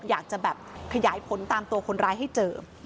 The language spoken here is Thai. อยากจะแบบขยายผลตามตัวคนร้ายให้เจอ